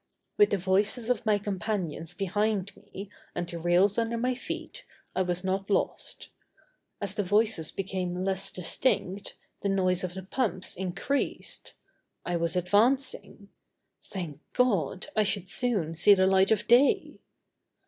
With the voices of my companions behind me and the rails under my feet, I was not lost. As the voices became less distinct, the noise of the pumps increased. I was advancing. Thank God, I should soon see the light of day!